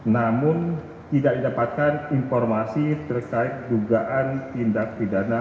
namun tidak didapatkan informasi terkait dugaan tindak pidana